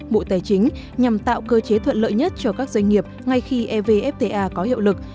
bộ tài chính nhằm tạo cơ chế thuận lợi nhất cho các doanh nghiệp ngay khi evfta có hiệu lực